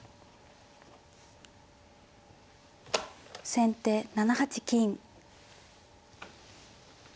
先手７八金。